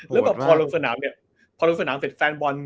แล้วแบบพอลงสนามเนี่ยพอลงสนามเสร็จแฟนบอล